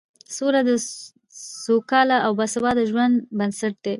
سوله د سوکاله او باثباته ژوند بنسټ دی